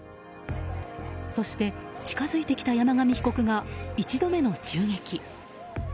そして近づいてきた山上被告が１度目の銃撃。